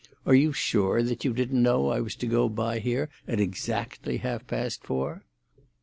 Are you sure that you didn't know I was to go by here at exactly half past four?"